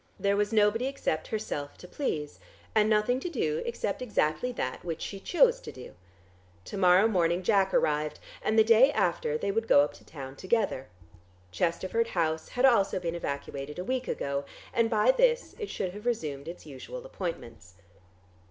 There was nobody except herself to please, and nothing to do except exactly that which she chose to do. To morrow morning Jack arrived, and the day after they would go up to town together. Chesterford House had also been evacuated a week ago and by this it should have resumed its usual appointments.